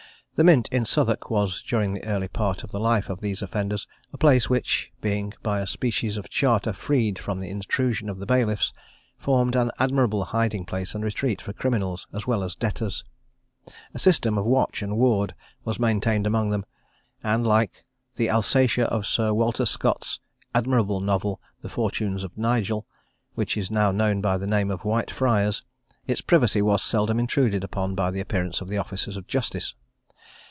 The Mint in Southwark was, during the early part of the life of these offenders, a place which, being by a species of charter freed from the intrusion of the bailiffs, formed an admirable hiding place and retreat for criminals, as well as debtors. A system of watch and ward was maintained among them, and, like the Alsatia of Sir Walter Scott's admirable novel of "The Fortunes of Nigel," which is now known by the name of Whitefriars, its privacy was seldom intruded upon by the appearance of the officers of justice.